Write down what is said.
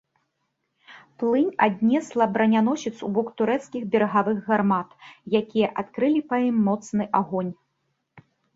Плынь аднесла браняносец ў бок турэцкіх берагавых гармат, якія адкрылі па ім моцны агонь.